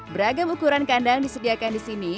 beragam ukuran kandang disediakan di sini